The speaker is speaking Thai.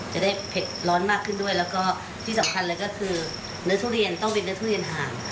เผ็ดร้อนมากขึ้นด้วยแล้วก็ที่สำคัญเลยก็คือเนื้อทุเรียนต้องเป็นเนื้อทุเรียนหาง